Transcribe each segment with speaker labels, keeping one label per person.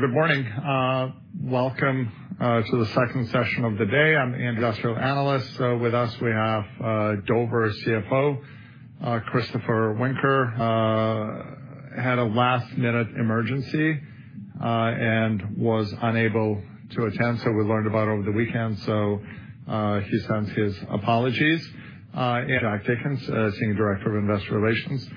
Speaker 1: Good morning. Welcome to the second session of the day. I'm the industrial analyst. With us, we have Dover's CFO, Christopher Woenker. He had a last-minute emergency and was unable to attend, so we learned about it over the weekend, so he sends his apologies. Jack Dickens, Senior Director of Investor Relations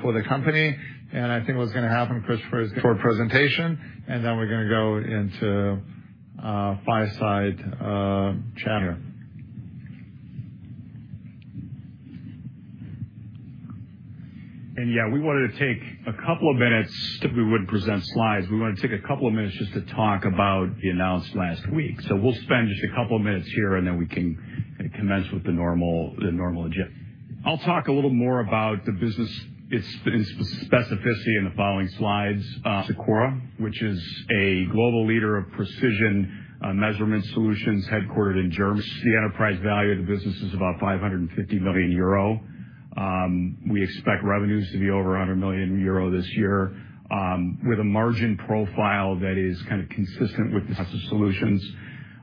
Speaker 1: for the company, and I think what's going to happen, Christopher, is going to give a short presentation, and then we're going to go into fireside chat here.
Speaker 2: Yeah, we wanted to take a couple of minutes. We wouldn't present slides. We wanted to take a couple of minutes just to talk about the announcement last week. So we'll spend just a couple of minutes here, and then we can commence with the normal agenda. I'll talk a little more about the business specificity in the following slides. Sikora, which is a global leader of precision measurement solutions headquartered in Germany. The enterprise value of the business is about 550 million euro. We expect revenues to be over 100 million euro this year, with a margin profile that is kind of consistent with the process solutions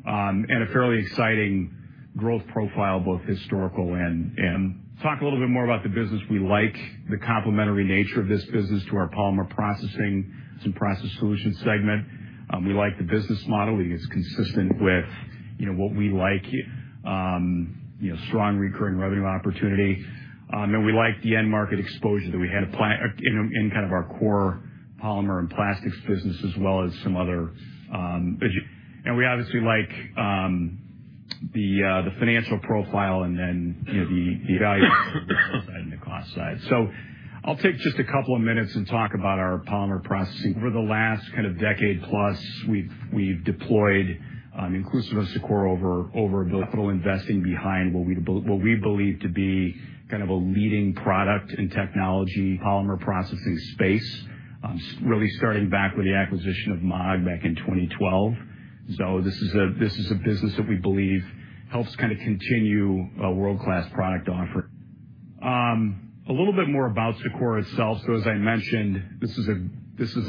Speaker 2: and a fairly exciting growth profile, both historical and. Talk a little bit more about the business. We like the complementary nature of this business to our polymer processing and process solutions segment. We like the business model. It's consistent with what we like: strong, recurring revenue opportunity. And we like the end market exposure that we had in kind of our core polymer and plastics business, as well as some other. And we obviously like the financial profile and then the value side and the cost side. So I'll take just a couple of minutes and talk about our polymer processing. Over the last kind of decade-plus, we've deployed inclusive of Sikora over $1 billion capital investing behind what we believe to be kind of a leading product and technology polymer processing space, really starting back with the acquisition of Maag back in 2012. So this is a business that we believe helps kind of continue a world-class product offering. A little bit more about Sikora itself. So, as I mentioned, this is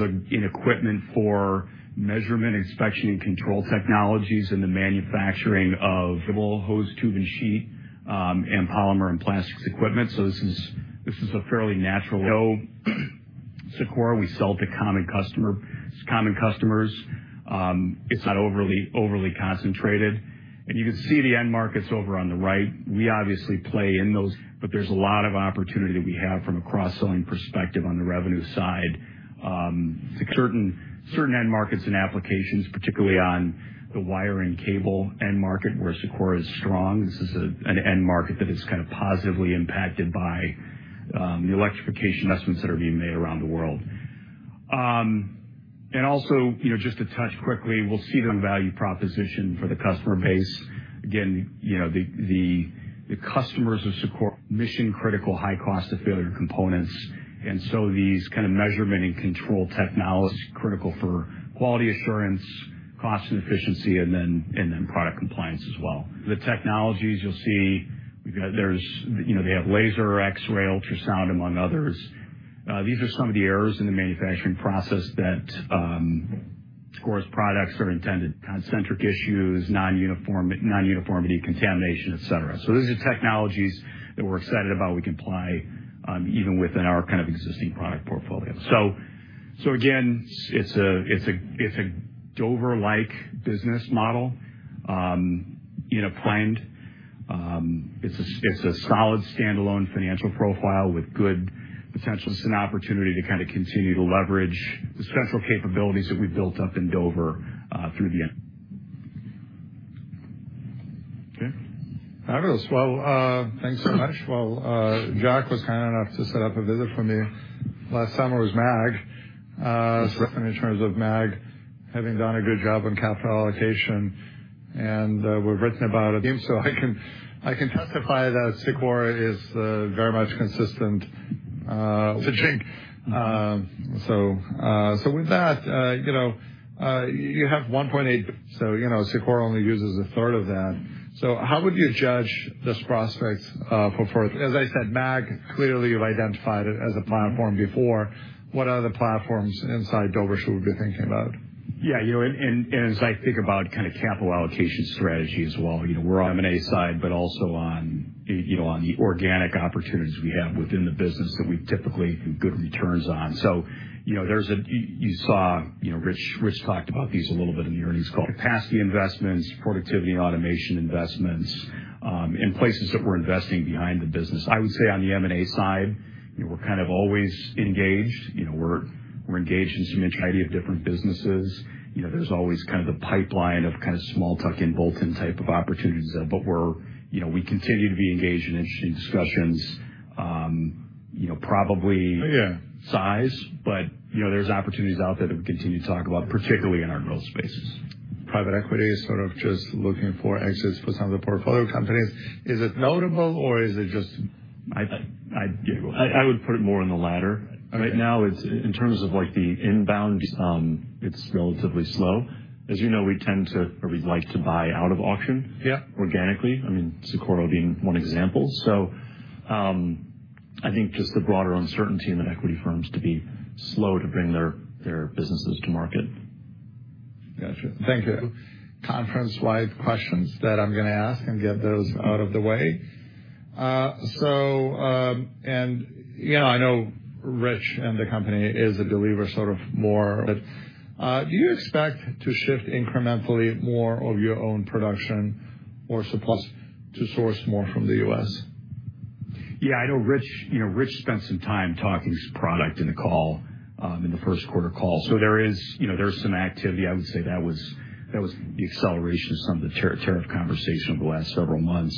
Speaker 2: an equipment for measurement, inspection, and control technologies in the manufacturing of hose, tube, and sheet and polymer and plastics equipment. So this is a fairly natural. No, Sikora. We sell to common customers. It's not overly concentrated. And you can see the end markets over on the right. We obviously play in those, but there's a lot of opportunity that we have from a cross-selling perspective on the revenue side. Certain end markets and applications, particularly on the wire and cable end market, where Sikora is strong. This is an end market that is kind of positively impacted by the electrification investments that are being made around the world. And also, just to touch quickly, we'll see the value proposition for the customer base. Again, the customers of Sikora are mission-critical, high-cost-of-failure components. And so these kind of measurement and control technologies are critical for quality assurance, cost and efficiency, and then product compliance as well. The technologies you'll see, they have laser, X-ray, ultrasound, among others. These are some of the errors in the manufacturing process that Sikora's products are intended: concentric issues, non-uniformity, contamination, etc. So these are technologies that we're excited about. We can apply even within our kind of existing product portfolio. So again, it's a Dover-like business model, planned. It's a solid standalone financial profile with good potential. It's an opportunity to kind of continue to leverage the central capabilities that we've built up in Dover through the end.
Speaker 1: Okay. Fabulous. Well, thanks so much. Well, Jack was kind enough to set up a visit for me last summer with Maag.
Speaker 2: That's right.
Speaker 1: In terms of Maag having done a good job on capital allocation. And we've written about it, so I can testify that Sikora is very much consistent with the plan. So with that, you have $1.8. So Sikora only uses a third of that. So how would you judge this prospect for? As I said, Maag, clearly you've identified it as a platform before. What other platforms inside Dover should we be thinking about?
Speaker 2: Yeah, and as I think about kind of capital allocation strategy as well, we're on the M&A side, but also on the organic opportunities we have within the business that we typically get good returns on. So you saw Rich talked about these a little bit in the earnings call: capacity investments, productivity and automation investments, and places that we're investing behind the business. I would say on the M&A side, we're kind of always engaged. We're engaged in some variety of different businesses. There's always kind of the pipeline of kind of small tuck-in bolt-in type of opportunities. But we continue to be engaged in interesting discussions of larger size, but there's opportunities out there that we continue to talk about, particularly in our growth spaces.
Speaker 1: Private equity is sort of just looking for exits for some of the portfolio companies. Is it notable, or is it just?
Speaker 2: I would put it more in the latter. Right now, in terms of the inbound, it's relatively slow. As you know, we tend to, or we'd like to buy out of auction organically. I mean, Sikora being one example. So I think just the broader uncertainty in the equity firms to be slow to bring their businesses to market.
Speaker 1: Gotcha. Thank you. Conference-wide questions that I'm going to ask and get those out of the way. And I know Rich and the company is a believer sort of more. But do you expect to shift incrementally more of your own production or supply to source more from the U.S.?
Speaker 2: Yeah. I know Rich spent some time talking product in the first quarter call. So there's some activity. I would say that was the acceleration of some of the tariff conversation over the last several months.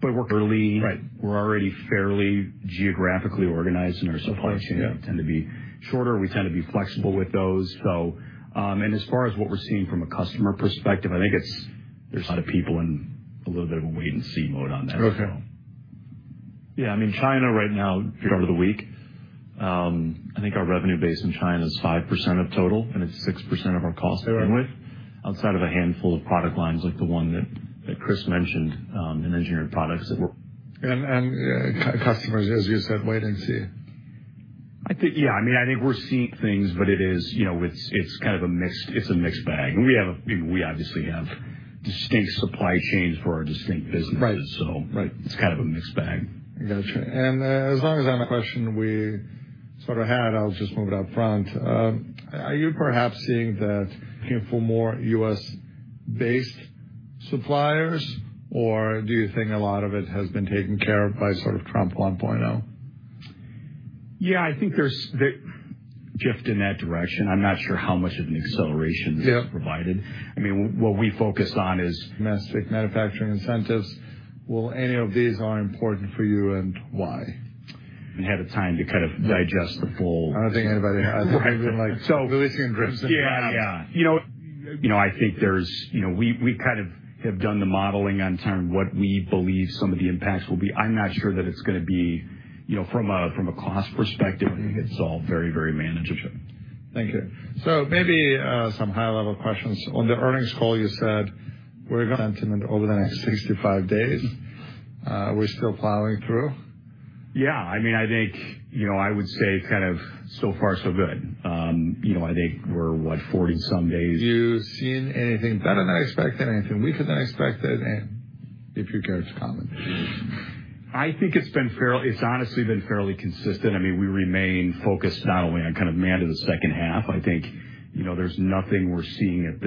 Speaker 2: But early, we're already fairly geographically organized in our supply chain. We tend to be shorter. We tend to be flexible with those. And as far as what we're seeing from a customer perspective, I think there's a lot of people in a little bit of a wait-and-see mode on that, so.
Speaker 1: Okay. Yeah. I mean, China right now, start of the week, I think our revenue base in China is 5% of total, and it's 6% of our costs in with, outside of a handful of product lines like the one that Chris mentioned in engineered products that we're. And customers, as you said, wait and see.
Speaker 2: Yeah. I mean, I think we're seeing things, but it's kind of a mixed bag. And we obviously have distinct supply chains for our distinct businesses. So it's kind of a mixed bag.
Speaker 1: Gotcha. And as long as I'm not questioning we sort of had, I'll just move it up front. Are you perhaps seeing that looking for more U.S.-based suppliers, or do you think a lot of it has been taken care of by sort of Trump 1.0?
Speaker 2: Yeah. I think there's a shift in that direction. I'm not sure how much of an acceleration this has provided. I mean, what we focus on is domestic manufacturing incentives. Will any of these are important for you and why? We had a time to kind of digest the full.
Speaker 1: I don't think anybody has been releasing a grim sigh.
Speaker 2: Yeah. Yeah. I think there we kind of have done the modeling on terms of what we believe some of the impacts will be. I'm not sure that it's going to be from a cost perspective. I think it's all very, very manageable.
Speaker 1: Sure. Thank you. So maybe some high-level questions. On the earnings call, you said our sentiment over the next 65 days. We're still plowing through.
Speaker 2: Yeah. I mean, I think I would say kind of so far, so good. I think we're, what, 40-some days.
Speaker 1: You seeing anything better than expected, anything weaker than expected, and if you care to comment?
Speaker 2: I think it's honestly been fairly consistent. I mean, we remain focused not only on kind of the back half. I think there's nothing we're seeing at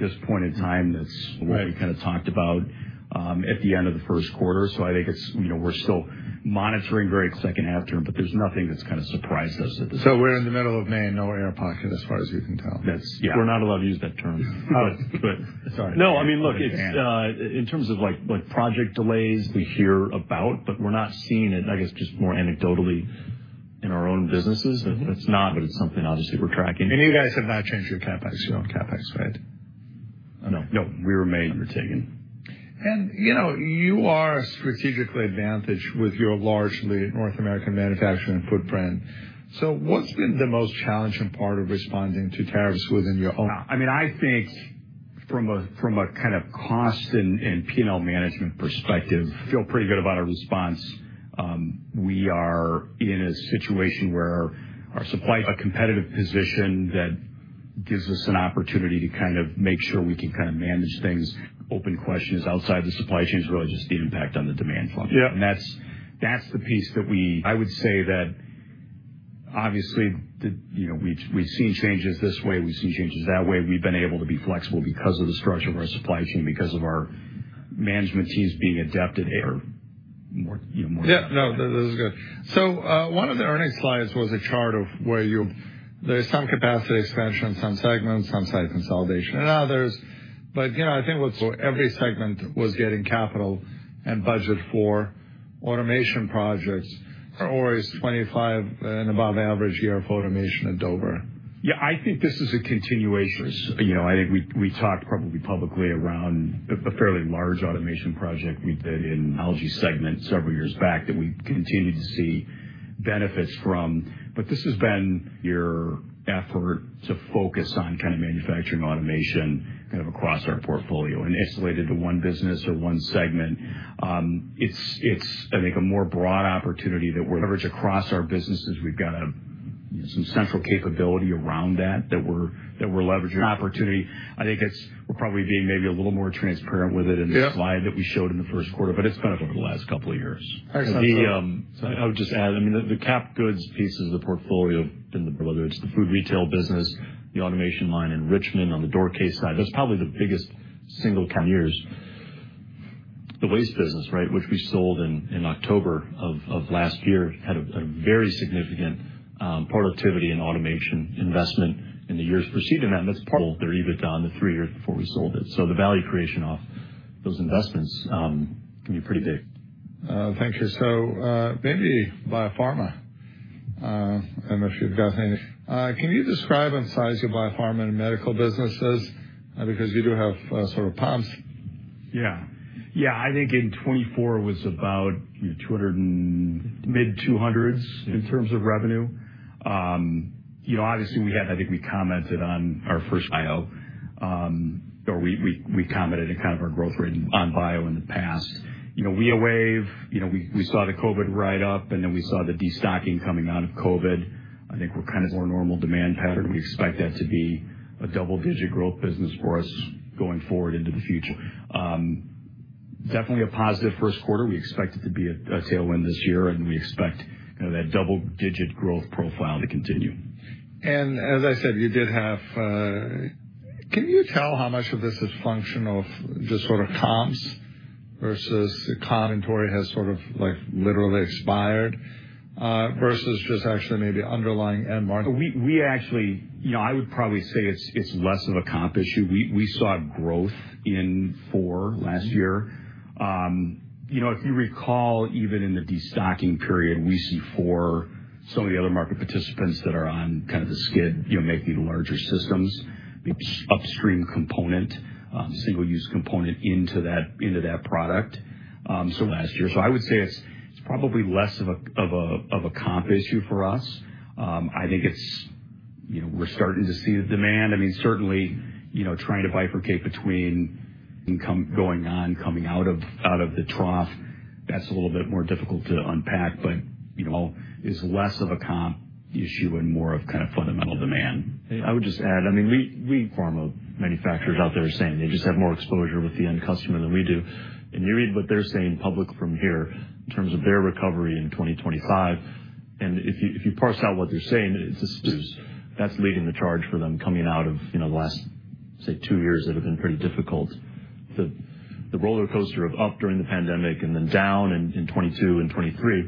Speaker 2: this point in time that's different from what we kind of talked about at the end of the first quarter. So I think we're still monitoring very much the second half, but there's nothing that's kind of surprised us at this point.
Speaker 1: So we're in the middle of May, no air pocket as far as you can tell.
Speaker 2: Yeah. We're not allowed to use that term, but sorry. No, I mean, look, in terms of project delays, we hear about, but we're not seeing it, I guess, just more anecdotally in our own businesses. But it's something obviously we're tracking.
Speaker 1: You guys have not changed your CapEx. You don't CapEx, right?
Speaker 2: No. No. We remain undertaken.
Speaker 1: You are strategically advantaged with your largely North American manufacturing footprint. What's been the most challenging part of responding to tariffs within your own?
Speaker 2: I mean, I think from a kind of cost and P&L management perspective, I feel pretty good about our response. We are in a situation where our supply is a competitive position that gives us an opportunity to kind of make sure we can kind of manage things. Open question is outside the supply chain is really just the impact on the demand function. And that's the piece that we I would say that obviously we've seen changes this way. We've seen changes that way. We've been able to be flexible because of the structure of our supply chain, because of our management teams being adapted. Or more?
Speaker 1: Yeah. No, this is good. So one of the earnings slides was a chart of where there's some capacity expansion in some segments, some site consolidation in others. But I think every segment was getting capital and budget for automation projects. Or is 2025 an above average year of automation at Dover?
Speaker 2: Yeah. I think this is a continuation. I think we talked probably publicly around a fairly large automation project we did in the ESG segment several years back that we continued to see benefits from. But this has been your effort to focus on kind of manufacturing automation kind of across our portfolio and isolated to one business or one segment. It's, I think, a more broad opportunity that we're leveraging across our businesses. We've got some central capability around that that we're leveraging an opportunity. I think we're probably being maybe a little more transparent with it in the slide that we showed in the first quarter, but it's kind of over the last couple of years.
Speaker 1: Excellent.
Speaker 2: I would just add, I mean, the capital goods pieces of the portfolio have been the, whether it's the food retail business, the automation line in Richmond on the door case side. That's probably the biggest single-years. The waste business, right, which we sold in October of last year, had a very significant productivity and automation investment in the years preceding that, and that's part of their EBITDA on the three years before we sold it. So the value creation off those investments can be pretty big.
Speaker 1: Thank you. So maybe biopharma. I don't know if you've got anything. Can you describe and size your biopharma and medical businesses, because you do have sort of pumps?
Speaker 2: Yeah. Yeah. I think in 2024 it was about mid-200s in terms of revenue. Obviously, I think we commented on our first bio, or we commented on kind of our growth rate on bio in the past. We saw. We saw the COVID ride up, and then we saw the destocking coming out of COVID. I think we're kind of more normal demand pattern. We expect that to be a double-digit growth business for us going forward into the future. Definitely a positive first quarter. We expect it to be a tailwind this year, and we expect that double-digit growth profile to continue.
Speaker 1: As I said, you did have. Can you tell how much of this is a function of just sort of comps versus the comps have sort of literally expired versus just actually maybe underlying end market?
Speaker 2: We actually, I would probably say it's less of a comp issue. We saw growth in four last year. If you recall, even in the destocking period, we see four. Some of the other market participants that are on kind of the skid make these larger systems, upstream component, single-use component into that product. So last year. So I would say it's probably less of a comp issue for us. I think we're starting to see the demand. I mean, certainly trying to bifurcate between income going on, coming out of the trough, that's a little bit more difficult to unpack. But all is less of a comp issue and more of kind of fundamental demand. I would just add, I mean, we pharma manufacturers out there are saying they just have more exposure with the end customer than we do. You read what they're saying publicly from here in terms of their recovery in 2025. If you parse out what they're saying, that's leading the charge for them coming out of the last, say, two years that have been pretty difficult. The roller coaster of up during the pandemic and then down in 2022 and 2023,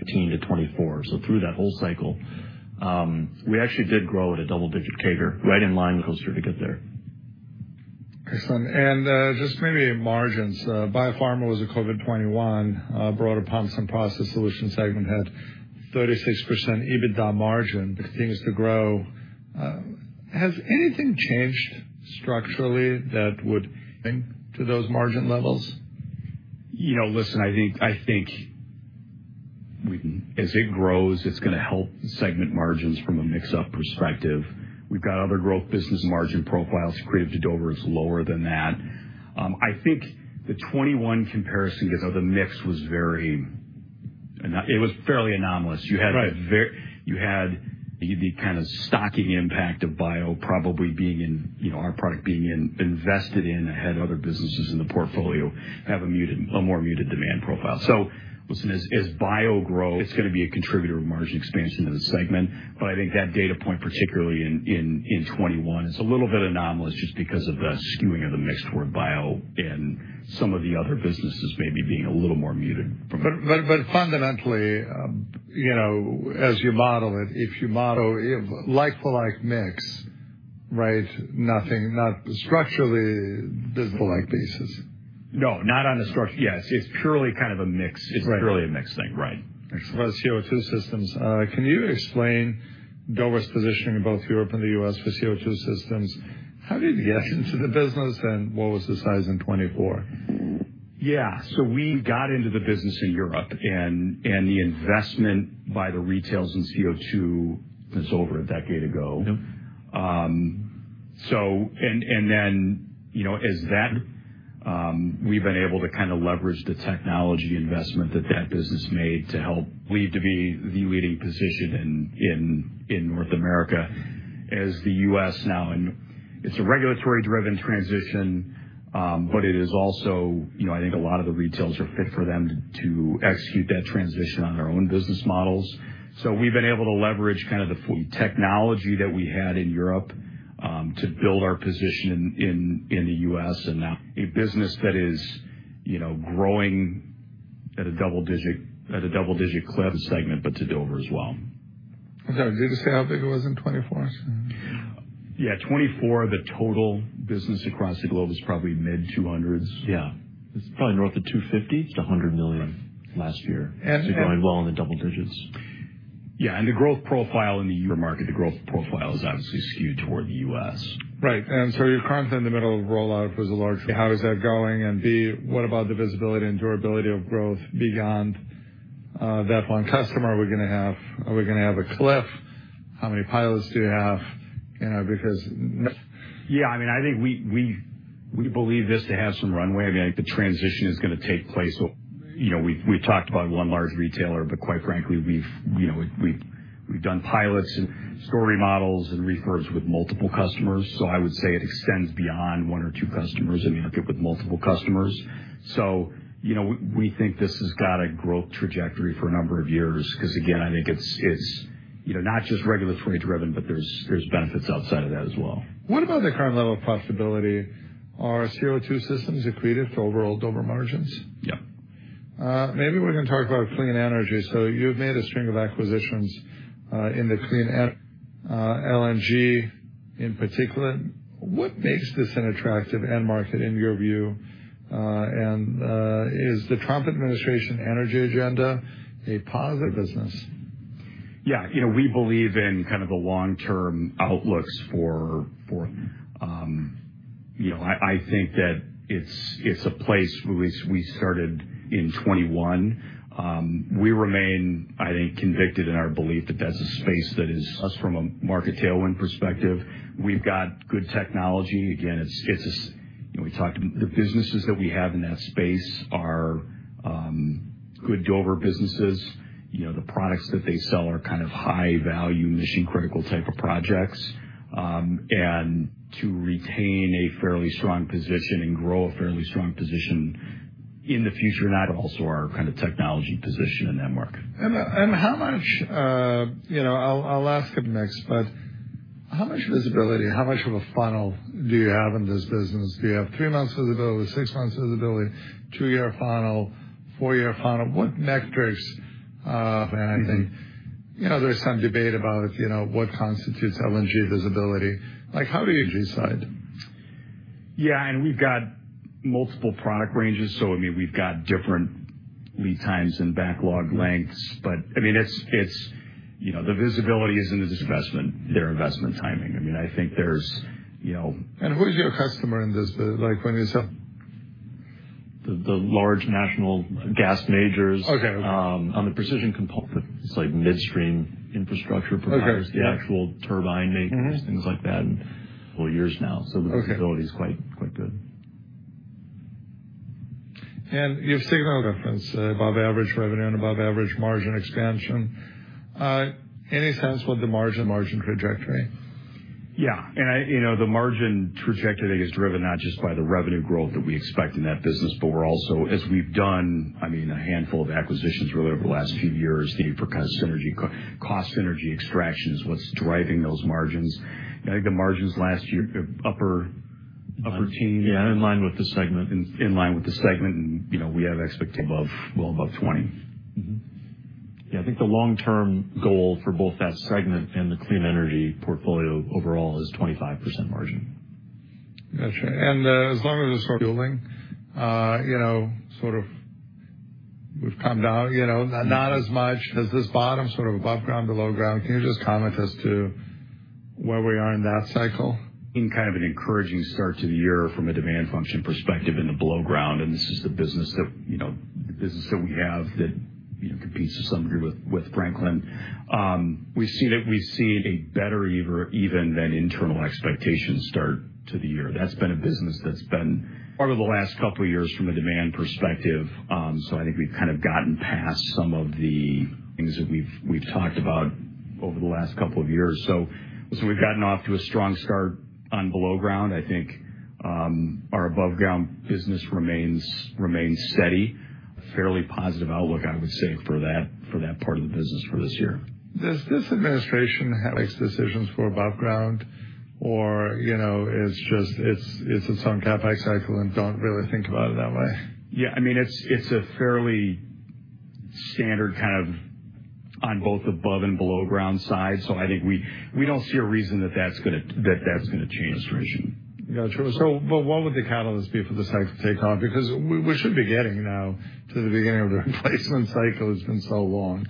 Speaker 2: 2015 to 2024. Through that whole cycle, we actually did grow at a double-digit CAGR, right in line with the coaster to get there.
Speaker 1: Excellent. And just maybe margins. Biopharma was a COVID bright spot. Broader Pumps and Process Solutions segment had 36% EBITDA margin, but it continues to grow. Has anything changed structurally that would bring to those margin levels?
Speaker 2: Listen, I think as it grows, it's going to help segment margins from a mix perspective. We've got other growth business margin profiles relative to Dover is lower than that. I think the 2021 comparison, the mix was fairly anomalous. You had the kind of stocking impact of bio probably being invested in ahead of other businesses in the portfolio have a more muted demand profile. So listen, as bio grows, it's going to be a contributor of margin expansion in the segment. But I think that data point, particularly in 2021, is a little bit anomalous just because of the skewing of the mix toward bio and some of the other businesses maybe being a little more muted from.
Speaker 1: But fundamentally, as you model it, if you model a like-for-like mix, right, not structurally like basis.
Speaker 2: No, not on a structural. Yeah. It's purely kind of a mix. It's purely a mixed thing. Right.
Speaker 1: Excellent. About CO2 systems. Can you explain Dover's position in both Europe and the U.S. for CO2 systems? How did you get into the business, and what was the size in 2024?
Speaker 2: Yeah. So we got into the business in Europe, and the investment by the retailers in CO2 was over a decade ago. And then as that, we've been able to kind of leverage the technology investment that that business made to help build what we believe to be the leading position in North America as the U.S. now. And it's a regulatory-driven transition, but it is also, I think a lot of the retailers are fit for them to execute that transition on their own business models. So we've been able to leverage kind of the technology that we had in Europe to build our position in the U.S. and now a business that is growing at a double-digit clip in the segment, but to Dover as well.
Speaker 1: I'm sorry. Did you say how big it was in 2024?
Speaker 2: Yeah. 2024, the total business across the globe was probably mid-$200s. Yeah. It's probably north of $250. It's $100 million last year. So going well in the double digits. Yeah. And the growth profile in the market, the growth profile is obviously skewed toward the U.S.
Speaker 1: Right, and so you're currently in the middle of rollout with a large. How is that going? And B, what about the visibility and durability of growth beyond that one customer? Are we going to have a cliff? How many pilots do you have? Because.
Speaker 2: Yeah. I mean, I think we believe this to have some runway. I mean, I think the transition is going to take place. We've talked about one large retailer, but quite frankly, we've done pilots and store models and refurbs with multiple customers. So I would say it extends beyond one or two customers and markets with multiple customers. So we think this has got a growth trajectory for a number of years because, again, I think it's not just regulatory-driven, but there's benefits outside of that as well.
Speaker 1: What about the current level of profitability? Are CO2 systems equated to overall Dover margins?
Speaker 2: Yep.
Speaker 1: Maybe we can talk about clean energy. So you've made a string of acquisitions in the clean LNG in particular. What makes this an attractive end market in your view? And is the Trump administration energy agenda a positive business?
Speaker 2: Yeah. We believe in kind of the long-term outlooks for. I think that it's a place we started in 2021. We remain, I think, convicted in our belief that that's a space that is us from a market tailwind perspective. We've got good technology. Again, it's a we talked about the businesses that we have in that space are good Dover businesses. The products that they sell are kind of high-value mission-critical type of projects and to retain a fairly strong position and grow a fairly strong position in the future, and also our kind of technology position in that market.
Speaker 1: And how much? I'll ask a mix, but how much visibility, how much of a funnel do you have in this business? Do you have three months visibility, six months visibility, two-year funnel, four-year funnel? What metrics? And I think there's some debate about what constitutes LNG visibility. How do you side?
Speaker 2: Yeah, and we've got multiple product ranges, so I mean, we've got different lead times and backlog lengths, but I mean, it's the visibility is in the investment, their investment timing. I mean, I think there's.
Speaker 1: Who's your customer in this business? When you said.
Speaker 2: The large national gas majors on the precision component. It's like midstream infrastructure providers, the actual turbine makers, things like that. Years now. So the visibility is quite good.
Speaker 1: You've signaled difference above average revenue and above average margin expansion. Any sense what the margin trajectory?
Speaker 2: Yeah, and the margin trajectory is driven not just by the revenue growth that we expect in that business, but we're also, as we've done, I mean, a handful of acquisitions really over the last few years. The need for clean energy extraction is what's driving those margins. I think the margins last year upper teens.
Speaker 1: Yeah. In line with the segment.
Speaker 2: In line with the segment. And we have expectations above 20%. Yeah. I think the long-term goal for both that segment and the clean energy portfolio overall is 25% margin.
Speaker 1: Gotcha. And as long as this sort of fueling, sort of we've come down not as much as this bottom, sort of above ground to below ground. Can you just comment as to where we are in that cycle?
Speaker 2: Kind of an encouraging start to the year from a demand function perspective in the below ground, and this is the business that we have that competes to some degree with Franklin. We've seen a better even than internal expectation start to the year. That's been a business that's been over the last couple of years from a demand perspective. So I think we've kind of gotten past some of the things that we've talked about over the last couple of years. So we've gotten off to a strong start on below ground. I think our above ground business remains steady. Fairly positive outlook, I would say, for that part of the business for this year.
Speaker 1: Does this administration have mixed decisions for above ground, or it's its own CapEx cycle and don't really think about it that way?
Speaker 2: Yeah. I mean, it's a fairly standard kind of on both above and below ground side. So I think we don't see a reason that that's going to change administration.
Speaker 1: Gotcha. But what would the catalyst be for the cycle takeoff? Because we should be getting now to the beginning of the replacement cycle. It's been so long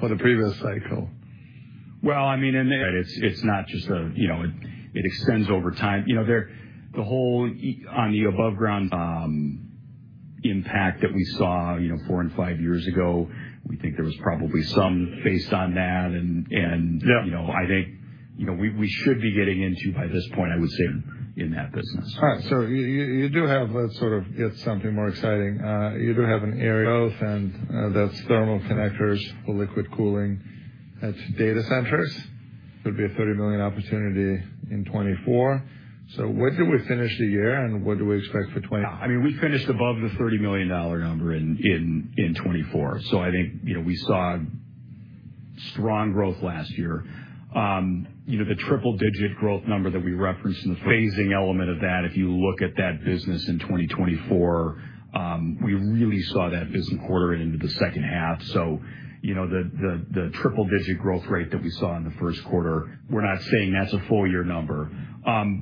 Speaker 1: for the previous cycle.
Speaker 2: I mean, right? It's not just. It extends over time. The whole on-the-ground impact that we saw four and five years ago, we think there was probably some based on that. And I think we should be getting into by this point, I would say, in that business.
Speaker 1: All right. So you do have sort of get something more exciting. You do have an area growth, and that's thermal connectors, liquid cooling at data centers. It would be a $30 million opportunity in 2024. So what did we finish the year, and what do we expect for.
Speaker 2: I mean, we finished above the $30 million number in 2024. So I think we saw strong growth last year. The triple-digit growth number that we referenced in the phasing element of that, if you look at that business in 2024, we really saw that business quarter into the second half. So the triple-digit growth rate that we saw in the first quarter, we're not saying that's a full year number.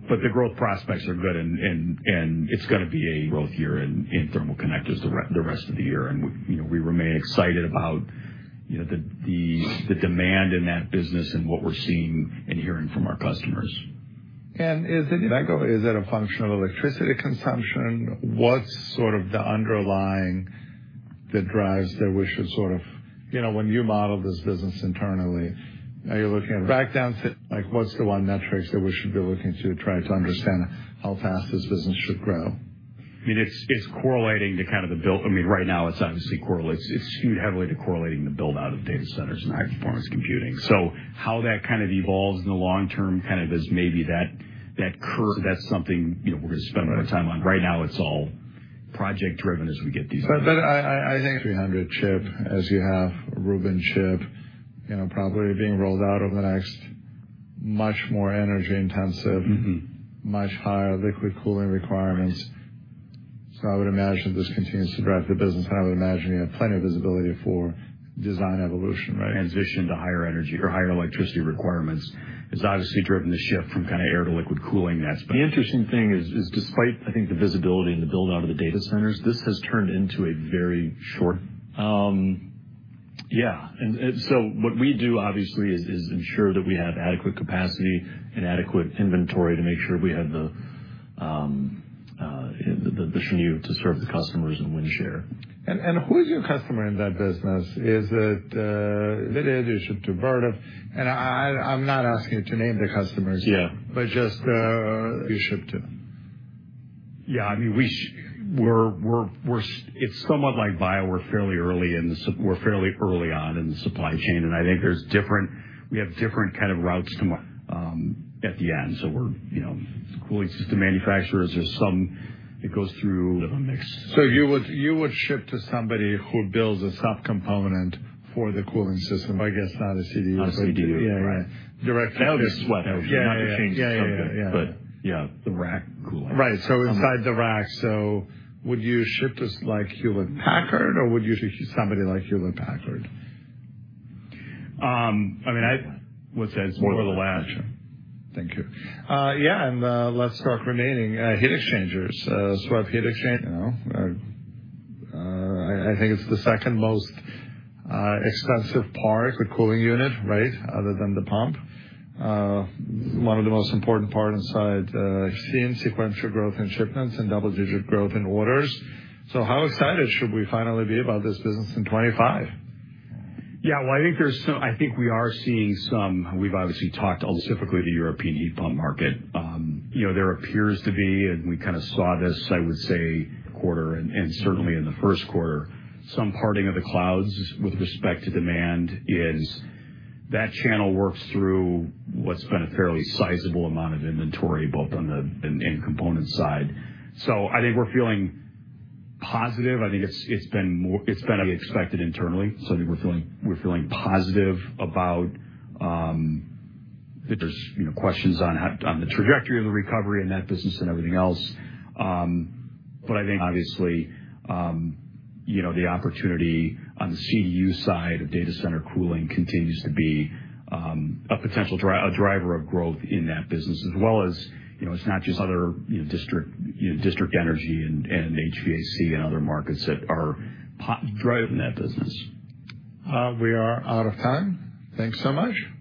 Speaker 2: But the growth prospects are good, and it's going to be a growth year in thermal connectors the rest of the year. And we remain excited about the demand in that business and what we're seeing and hearing from our customers.
Speaker 1: Is it a function of electricity consumption? What's sort of the underlying thesis that drives sort of when you model this business internally, are you looking at backlog? What's the one metrics that we should be looking to try to understand how fast this business should grow?
Speaker 2: I mean, it's correlating to kind of the build. I mean, right now, it's obviously correlates. It's skewed heavily to correlating the build-out of data centers and high-performance computing. So how that kind of evolves in the long term kind of is maybe that curve. That's something we're going to spend more time on. Right now, it's all project-driven as we get these things.
Speaker 1: But I think 3-nm chip as you have Rubin chip probably being rolled out over the next. Much more energy intensive, much higher liquid cooling requirements. So I would imagine this continues to drive the business. And I would imagine you have plenty of visibility for design evolution, right?
Speaker 2: Transition to higher energy or higher electricity requirements has obviously driven the shift from kind of air to liquid cooling that's been. The interesting thing is, despite I think the visibility and the build-out of the data centers, this has turned into a very short. Yeah, and so what we do, obviously, is ensure that we have adequate capacity and adequate inventory to make sure we have the channel to serve the customers and win share.
Speaker 1: And who is your customer in that business? Is it related? You ship to Dover? And I'm not asking you to name the customers, but just who you ship to.
Speaker 2: Yeah. I mean, it's somewhat like bio. We're fairly early on in the supply chain. And I think we have different kind of routes to market at the end. So we're cooling system manufacturers. There's some that goes through. Of a mix.
Speaker 1: So you would ship to somebody who builds a subcomponent for the cooling system. I guess not a CDU.
Speaker 2: A CDU.
Speaker 1: Yeah. Yeah. Direct CDU.
Speaker 2: That would be SWEP. That would be not to change something, but yeah. The rack cooling.
Speaker 1: Right. So inside the rack. So would you ship to Hewlett Packard, or would you ship to somebody like Hewlett Packard?
Speaker 2: I mean, I would say it's more the latter.
Speaker 1: Gotcha. Thank you. Yeah. And let's talk remaining heat exchangers. SWEP heat exchanger. I think it's the second most expensive part with cooling unit, right, other than the pump. One of the most important part inside. We've seen sequential growth in shipments and double-digit growth in orders. So how excited should we finally be about this business in 2025?
Speaker 2: Yeah. Well, I think we are seeing some. We've obviously talked specifically to the European heat pump market. There appears to be, and we kind of saw this, I would say, this quarter and certainly in the first quarter, some parting of the clouds with respect to demand, as that channel works through what's been a fairly sizable amount of inventory both on the component side. So I think we're feeling positive. I think it's been as expected internally. So I think we're feeling positive about the. There's questions on the trajectory of the recovery in that business and everything else. But I think, obviously, the opportunity on the CDU side of data center cooling continues to be a potential driver of growth in that business, as well. It's not just other district energy and HVAC and other markets that are driving that business.
Speaker 1: We are out of time. Thanks so much.
Speaker 2: Thank you.